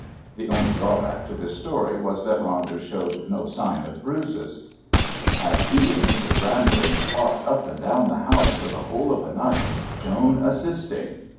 (The only drawback to this story was that Ronder showed no sign of bruises.) Had he and Mrs. Brandon fought up and down the house for the whole of a night, Joan assisting?